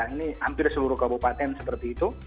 jadi hampir seluruh kabupaten seperti itu